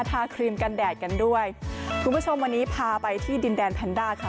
ทาครีมกันแดดกันด้วยคุณผู้ชมวันนี้พาไปที่ดินแดนแพนด้าค่ะ